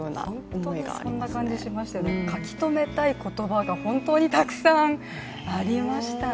本当にそんな感じしました、書き留めたい言葉が、本当にたくさんありましたね。